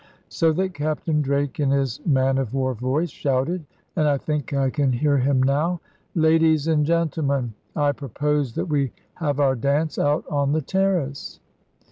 So that Captain Drake, in his man of war voice, shouted (and I think I can hear him now), 'Ladies and gentlemen, I propose that we have our dance out on the terrace.'